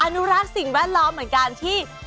อนุรักษ์สิ่งแวดล้อมเหมือนกันที่